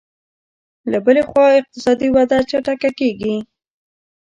له بلې خوا اقتصادي وده چټکه کېږي